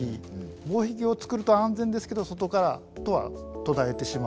防壁をつくると安全ですけど外からとは途絶えてしまう。